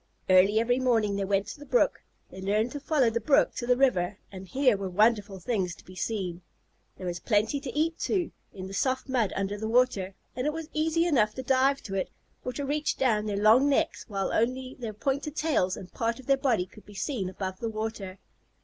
Early every morning they went to the brook. They learned to follow the brook to the river, and here were wonderful things to be seen. There was plenty to eat, too, in the soft mud under the water, and it was easy enough to dive to it, or to reach down their long necks while only their pointed tails and part of their body could be seen above the water.